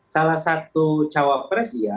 salah satu cawa pres ya